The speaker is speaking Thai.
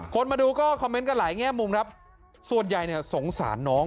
มาดูก็คอมเมนต์กันหลายแง่มุมครับส่วนใหญ่เนี่ยสงสารน้อง